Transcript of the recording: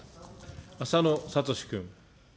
浅野哲君。